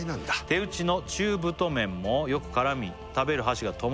「手打ちの中太麺もよく絡み食べる箸が止まらず」